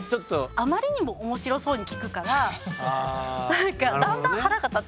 あまりにも面白そうに聞くから何かだんだん腹が立ってきちゃって。